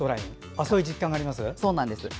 そういう実感があります？